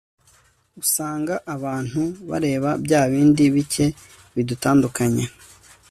usanga abantu , bareba bya bindi ,bike bidutandukanya